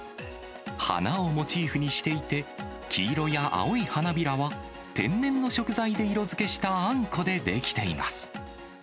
花をモチーフにしていて、黄色や青い花びらは、天然の食材で色づけしたあんこで出来ています。